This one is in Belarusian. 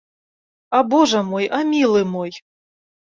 А божа мой, а мілы мой!